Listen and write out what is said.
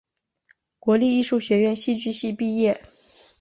国立艺术学院戏剧系毕业。